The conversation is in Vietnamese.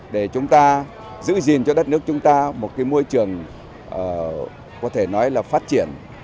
để chúng ta giữ gìn cho đất nước chúng ta một môi trường có thể nói là phát triển